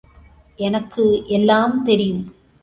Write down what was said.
எனக்கு எல்லாம், தெரியும்.